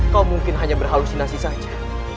kau mungkin hanya berhalusinasi saja